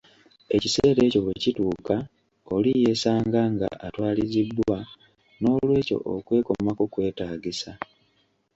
Ekiseera kyo bwe kituuka oli yeesanga nga atwalirizibbwa, nolwekyo okwekomako kwetaagisa.